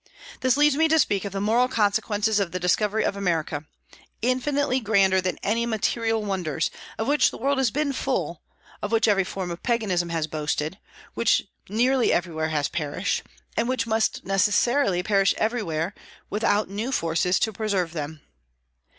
This leads me to speak of the moral consequences of the discovery of America, infinitely grander than any material wonders, of which the world has been full, of which every form of paganism has boasted, which nearly everywhere has perished, and which must necessarily perish everywhere, without new forces to preserve them.